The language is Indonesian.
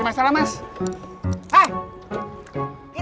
gak usah lagi sama